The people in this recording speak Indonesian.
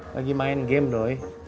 lagi main game doi